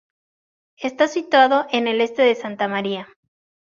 Está situado en el este de Santa Maria.